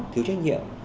thiếu trách nhiệm